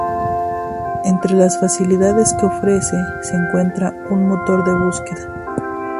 Entre las facilidades que ofrece se encuentra un motor de búsqueda.